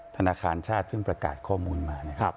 ธนาคารชาติเพิ่งประกาศข้อมูลมา